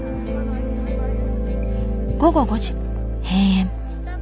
午後５時閉園。